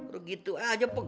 lo gitu aja pegang